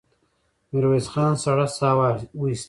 ميرويس خان سړه سا وايسته.